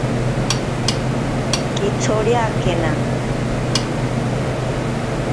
Kitsoriakena.